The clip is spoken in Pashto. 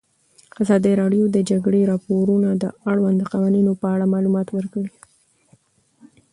ازادي راډیو د د جګړې راپورونه د اړونده قوانینو په اړه معلومات ورکړي.